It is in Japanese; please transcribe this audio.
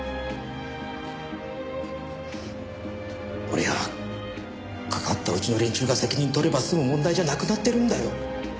俺や関わったうちの連中が責任を取れば済む問題じゃなくなってるんだよ。